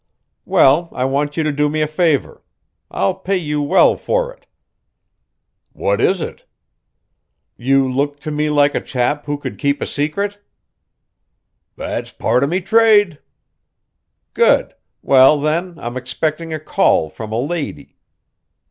"Well, I want you to do me a favor. I'll pay you well for it." "What is it?" "You look to me like a chap who could keep a secret?" "That's part o' me trade." "Good! Well, then, I'm expecting a call from a lady."